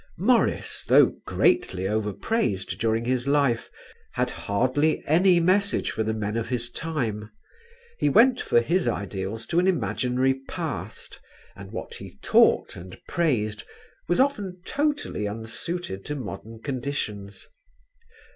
Morris, though greatly overpraised during his life, had hardly any message for the men of his time. He went for his ideals to an imaginary past and what he taught and praised was often totally unsuited to modern conditions.